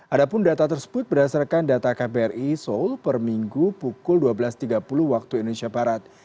ada pun data tersebut berdasarkan data kbri seoul per minggu pukul dua belas tiga puluh waktu indonesia barat